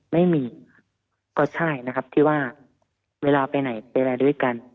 ไม่มีค่ะก็ใช่นะครับที่ว่าเวลาไปไหนไปอะไรด้วยกัน